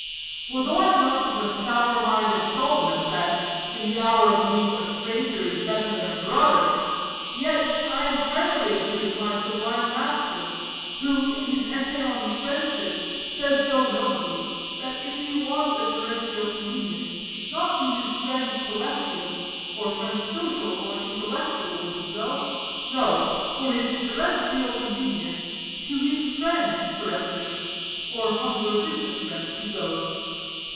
For though I am not of the sour mind of Solomon, that, in the hour of need, a stranger is better than a brother; yet, I entirely agree with my sublime master, who, in his Essay on Friendship, says so nobly, that if he want a terrestrial convenience, not to his friend celestial (or friend social and intellectual) would he go; no: for his terrestrial convenience, to his friend terrestrial (or humbler business friend) he goes.